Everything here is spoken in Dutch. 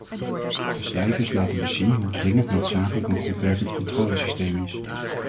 De cijfers laten dus zien hoe dringend noodzakelijk een goed werkend controlesysteem is.